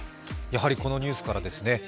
やはり、このニュースからですね。